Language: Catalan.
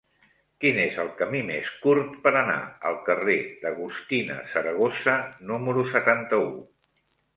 Quin és el camí més curt per anar al carrer d'Agustina Saragossa número setanta-u?